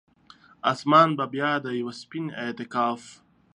اسمان به بیا د یوه سپین اعتکاف،